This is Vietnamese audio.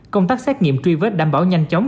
công tác xét nghiệm truy vết đảm bảo nhanh chóng